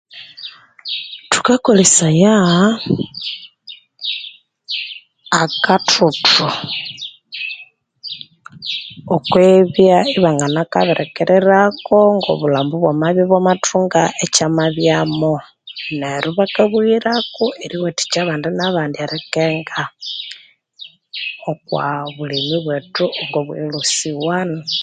Thukakolesaya akathuthu okwibya ibanganakabirikirirako ngo obulhambo bwamabya ibwamathunga ekyamabyamo nero ibakabughirako eriwathikya abandi nabandi erikenga okwa bulemi bwethu ngobwe LC 1.